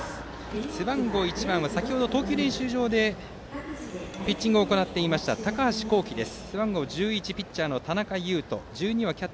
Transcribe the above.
背番号１番は先程投球練習場でピッチングを行っていた高橋煌稀です。